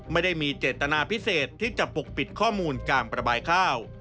ไม่ได้มีเจตนาพิเศษที่จะปกปิดข้อมูลการประบายข้าว